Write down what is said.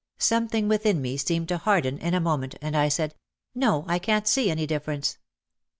Something within me seemed to harden in a moment. And I said, "No, I can't see any difference.